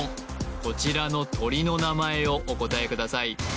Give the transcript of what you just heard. こちらの鳥の名前をお答えください